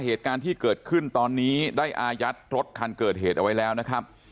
เหตุการณ์ที่เกิดขึ้นตอนนี้ได้อายัดรถคันเกิดเหตุเอาไว้แล้วนะครับ